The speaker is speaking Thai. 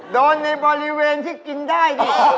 ในบริเวณที่กินได้ดี